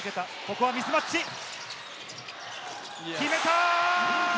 決めた！